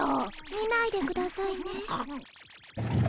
見ないでくださいね。